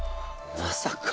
まさか。